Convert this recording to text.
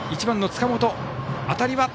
１番の塚本。